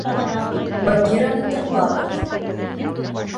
— Багираны тыңлағыҙ.